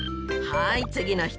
はい次の人。